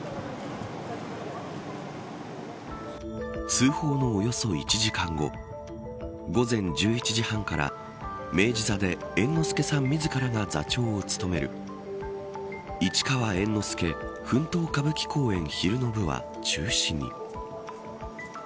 通報のおよそ１時間後午前１１時半から、明治座で猿之助さん自らが座長を務める市川猿之助奮闘歌舞伎公演昼の部は中止に。